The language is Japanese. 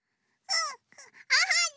うん！